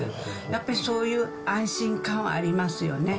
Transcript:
やっぱりそういう安心感はありますよね。